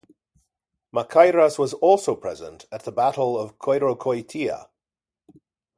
Machairas was also present at the Battle of Choirokoitia.